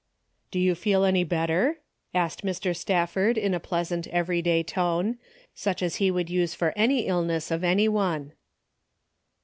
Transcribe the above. " Do you feel any better ?" asked Mr. Staf ford, in a pleasant, everyday tone, such as he would use for any illness of any one.